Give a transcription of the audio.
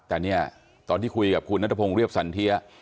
แต่เนี่ยตอนที่คุยกับคุณนัทพงศ์เรียบสันเทีย